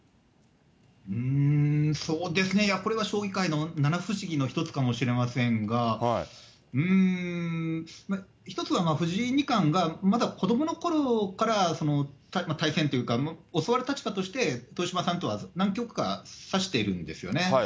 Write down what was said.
うーん、そうですね、これは将棋界の七不思議の一つかもしれませんが、うーん、一つは藤井二冠がまだ子どものころから対戦というか、教わる立場として、豊島さんとは何局か指しているんですよね。